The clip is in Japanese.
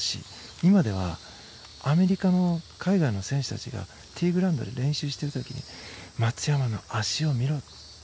今ではアメリカの海外の選手たちがティーグラウンドで練習してる時に松山の足を見ろって。